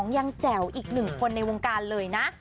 ยังแจ๋วอีกหนึ่งคนในวงการเลยนะ